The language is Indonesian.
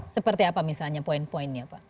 seperti apa misalnya poin poinnya pak